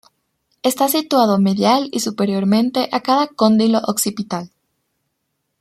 Está situado medial y superiormente a cada cóndilo occipital.